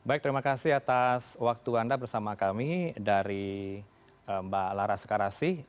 baik terima kasih atas waktu anda bersama kami dari mbak laras karasi